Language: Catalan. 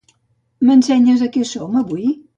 M'ensenyes a què som avui?